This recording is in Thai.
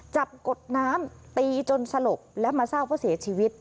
กดน้ำตีจนสลบและมาทราบว่าเสียชีวิต